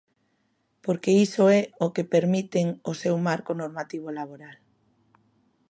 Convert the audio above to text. Porque iso é o que permiten o seu marco normativo laboral.